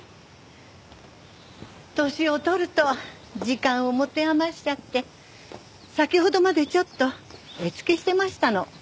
年を取ると時間を持て余しちゃって先ほどまでちょっと絵付けしてましたの。